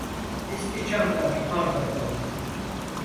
Eski çamlar bardak oldu.